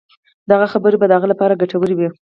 د هغه خبرې به د هغه لپاره ګټورې وي.